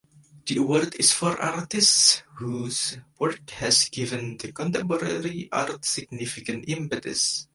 The award is for artists whose work has given the contemporary art significant impetus.